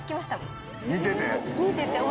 見てて？